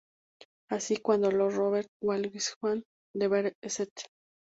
Así, cuando Lord Robert Walsingham de Vere St.